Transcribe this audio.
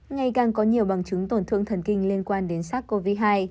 ngày càng có nhiều bằng chứng tổn thương thần kinh liên quan đến sars cov hai